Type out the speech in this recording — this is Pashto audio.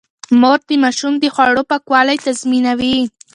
مور د ماشوم د خوړو پاکوالی تضمينوي.